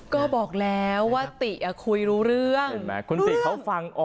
ก็บอกแล้วว่าตีอ่ะคุยรู้เรื่อง